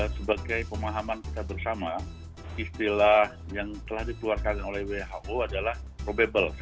sebagai pemahaman kita bersama istilah yang telah dikeluarkan oleh who adalah probable